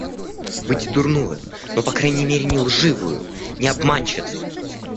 Быть дурною, но по крайней мере не лживою, не обманщицей!